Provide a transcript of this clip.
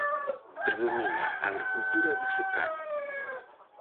Predomina a agricultura de secaño.